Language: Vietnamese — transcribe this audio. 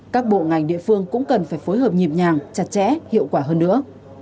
các bộ ngành địa phương cũng cần phải phối hợp nhịp nhàng chặt chẽ hiệu quả hơn nữa